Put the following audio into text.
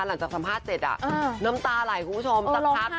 หลังจากสัมภาษณ์เจ็ดอ่ะอืมน้ำตาไหลคุณผู้ชมเออร้องไห้สักพัก